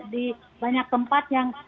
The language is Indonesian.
di banyak tempat yang